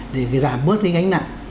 để giảm bớt cái ngánh nặng